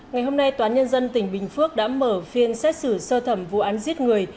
ngày hôm nay toán nhân dân tỉnh bình phước đã mở phiên xét xử sơ thẩm vụ án giết người